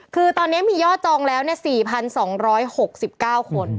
คือตอนนี้มียอดจองแล้ว๔๒๖๙คน